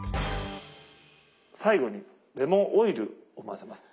最後にレモンオイルを混ぜます。